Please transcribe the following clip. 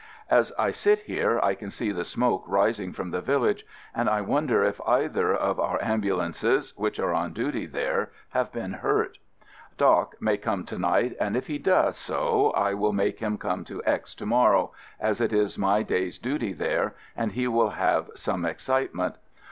As I sit here I can see the smoke rising from the village, and I wonder if either of our ambulances which are on duty there have been hurt. "Doc" may come to night, and if he does so I shall make him come to X to morrow, as it is my day's duty there and he will have some excitement.